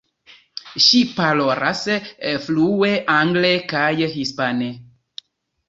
Ŝi parolas flue angle kaj hispane.